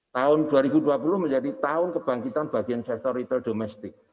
tahun dua ribu dua puluh menjadi tahun kebangkitan bagi investor retail domestik